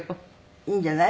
いいんじゃない？